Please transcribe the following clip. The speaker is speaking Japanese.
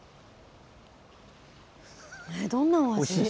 どんな味？